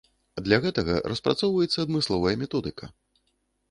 Для гэтага распрацоўваецца адмысловая методыка.